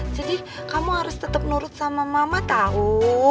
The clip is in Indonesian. jadi kamu harus tetep nurut sama mama tau